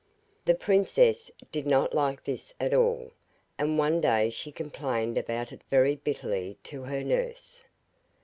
The princess did not like this at all, and one day she complained about it very bitterly to her nurse.